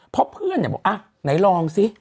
เพราะเพื่อนเนี่ยบอกอะไหนลองซิ